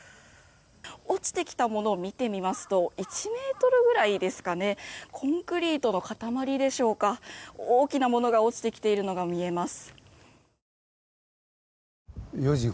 落ちてきたものを見てみますと１ｍくらいですかねコンクリートの塊でしょうか大きなものが落ちてきているのが見えます。